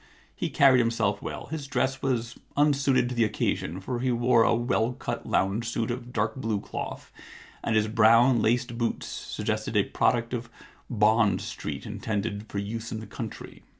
He carried himself well. His dress was unsuited to the occasion, for he wore a well cut lounge suit of dark blue cloth, and his brown, laced boots suggested a product of Bond Street intended for use in the country.